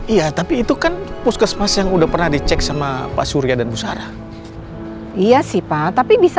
iya tapi itu kan puskesmas yang udah pernah dicek sama pasurya dan busara iya sih pak tapi bisa